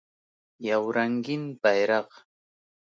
یو رنګین بیرغ